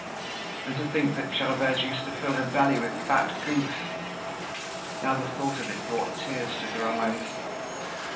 And to think that Gervaise used to fill her belly with fat goose! Now the thought of it brought tears to her eyes.